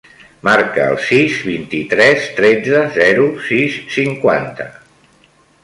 Marca el sis, vint-i-tres, tretze, zero, sis, cinquanta.